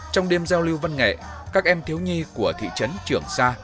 trong đêm giao lưu văn nghệ các em thiếu nhi của thị trấn trường sa